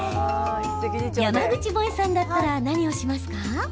山口もえさんだったら何をしますか？